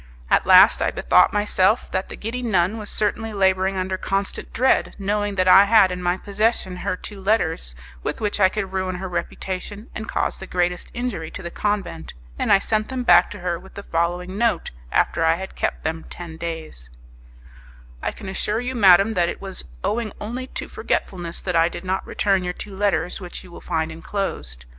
At last I bethought myself that the giddy nun was certainly labouring under constant dread, knowing that I had in my possession her two letters, with which I could ruin her reputation and cause the greatest injury to the convent, and I sent them back to her with the following note, after I had kept them ten days: "I can assure you, madam, that it was owing only to forgetfulness that I did not return your two letters which you will find enclosed.